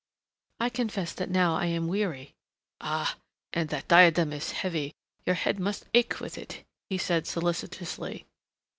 "I confess that now I am weary " "Ah, and that diadem is heavy. Your head must ache with it," he said solicitously.